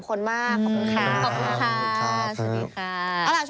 ขอบคุณครับสวัสดีครับ